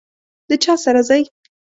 د چا سره ځئ؟